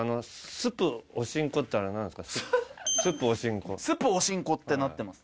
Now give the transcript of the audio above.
スプおしんこスプおしんこってなってます